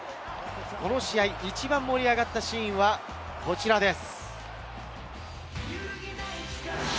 今日の試合で一番盛り上がったシーンはこちらです！